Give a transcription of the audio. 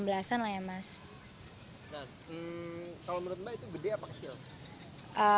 jadi kalau menurut mbak itu gede apa kecil